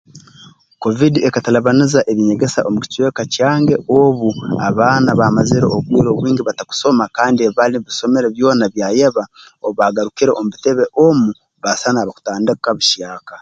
Kovidi ekatalibaniza eby'enyegesa omu kicweka kyange obu abaana baamazire obwire obwingi batakusoma kandi ebi baali bisomere byona byayeba obu baagarukire mu bitebe omu baasana abakutandika buhyaka